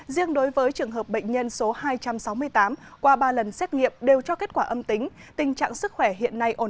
riêng đối với trường hợp bệnh nhân số hai trăm sáu mươi tám qua ba lần xét nghiệm đều cho kết quả âm tính